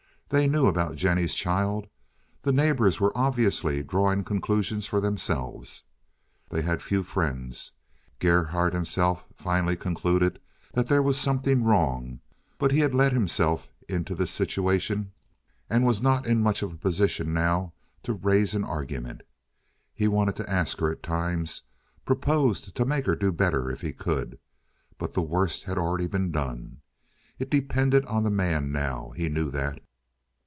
They knew about Jennie's child. The neighbors were obviously drawing conclusions for themselves. They had few friends. Gerhardt himself finally concluded that there was something wrong, but he had let himself into this situation, and was not in much of a position now to raise an argument. He wanted to ask her at times—proposed to make her do better if he could—but the worst had already been done. It depended on the man now, he knew that.